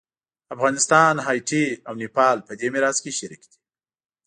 افغانستان، هایټي او نیپال په دې میراث کې شریک دي.